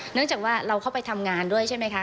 เนื่องจากว่าเราเข้าไปทำงานด้วยใช่ไหมคะ